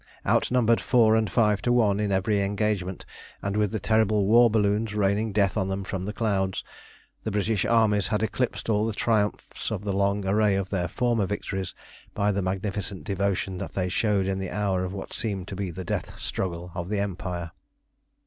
Outnumbered four and five to one in every engagement, and with the terrible war balloons raining death on them from the clouds, the British armies had eclipsed all the triumphs of the long array of their former victories by the magnificent devotion that they showed in the hour of what seemed to be the death struggle of the Empire.